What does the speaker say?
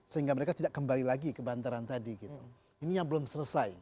sehingga mereka tidak kembali lagi ke bantaran tadi gitu ini yang belum selesai